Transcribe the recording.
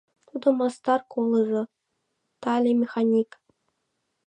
Тудо мастар колызо, тале механик.